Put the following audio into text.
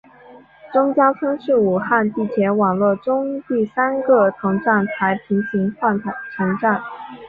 钟家村是武汉地铁网络中第三个同站台平行换乘站。